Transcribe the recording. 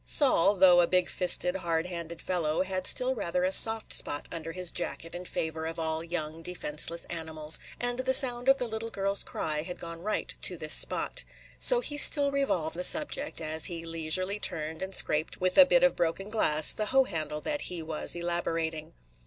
Sol, though a big fisted, hard handed fellow, had still rather a soft spot under his jacket in favor of all young, defenceless animals, and the sound of the little girl's cry had gone right to this spot. So he still revolved the subject, as he leisurely turned and scraped with a bit of broken glass the hoe handle that he was elaborating.